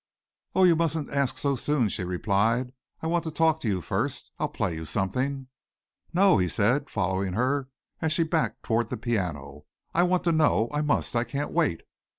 "Oh, you musn't ask so soon," she replied. "I want to talk to you first. I'll play you something." "No," he said, following her as she backed toward the piano. "I want to know. I must. I can't wait."